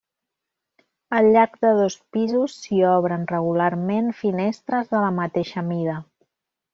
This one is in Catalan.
Al llarg de dos pisos s'hi obren, regularment, finestres de la mateixa mida.